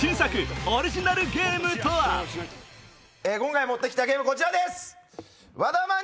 今回持って来たゲームこちらです！